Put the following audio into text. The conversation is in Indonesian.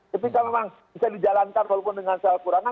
ketika memang bisa dijalankan walaupun dengan sangat kurangan